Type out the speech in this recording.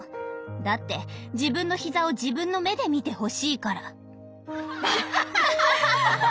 だって自分の膝を自分の目で見てほしいから。